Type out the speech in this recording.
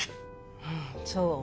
うんそう。